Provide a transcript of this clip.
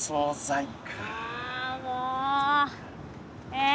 え？